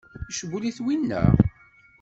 Icewwel-it winna?